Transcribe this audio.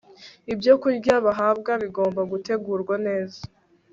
Ibyokurya bahabwa bigomba gutegurwa neza